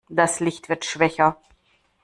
Das Licht wird schwächer.